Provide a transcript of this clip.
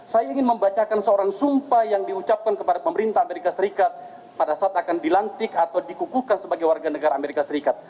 saya ingin membacakan seorang sumpah yang diucapkan kepada pemerintah amerika serikat pada saat akan dilantik atau dikukuhkan sebagai warga negara amerika serikat